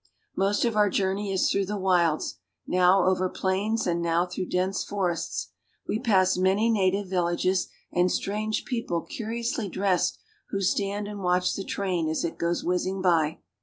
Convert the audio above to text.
Most of our journey is through the wilds, now over I plains and now through dense forests. We pass many I jiative villages and strange people curiously dressed who 1 stand and watch the train as it goes whizzing by.